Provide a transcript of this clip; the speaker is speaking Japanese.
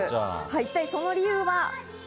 一体その理由は？